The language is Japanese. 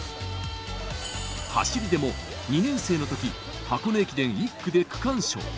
走りでも２年生のとき、箱根駅伝１区で区間賞。